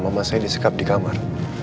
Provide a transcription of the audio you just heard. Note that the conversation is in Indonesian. mama saya disekap di kamar